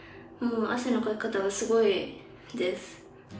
汗のかき方がすごいです。